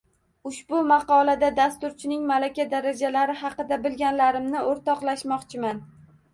Ushbu maqolada dasturchining malaka darajalari haqida bilganlarimni o’rtoqlashmoqchiman